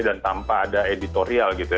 dan tanpa ada editorial gitu ya